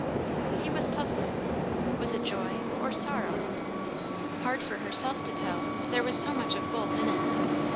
He was puzzled. Was it joy or sorrow? Hard for herself to tell, there was so much of both in it.